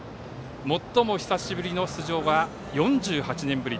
最も久しぶりの出場は４８年ぶり。